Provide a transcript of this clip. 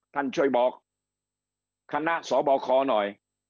ท่านช่วยบอกคณะสบคหน่อย